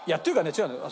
違うのよ。